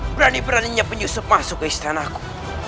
berani beraninya penyusup masuk ke istanaku